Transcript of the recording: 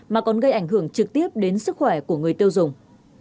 mà còn gây ảnh hưởng trực tiếp đến sức khỏe của người tiêu dùng